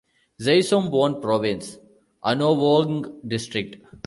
Xaisomboun Province, Anouvong District.